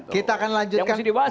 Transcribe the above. kita akan lanjutkan